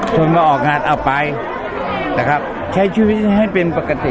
ชนมาออกงานเอาไปใช้ชีวิตให้เป็นปกติ